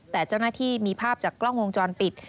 แต่เจ้าหน้าที่มีภาพจากกล้องวงจรปิด